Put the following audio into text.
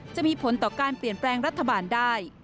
จะมีผลต่อการเปลี่ยนแปลงรัฐบาลได้